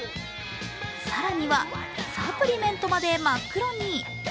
更には、サプリメントまで真っ黒に。